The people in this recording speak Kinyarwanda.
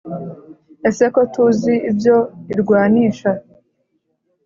Ese ko tuzi ibyo irwanisha